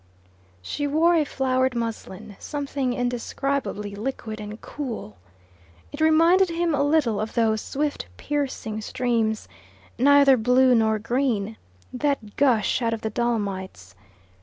She wore a flowered muslin something indescribably liquid and cool. It reminded him a little of those swift piercing streams, neither blue nor green, that gush out of the dolomites.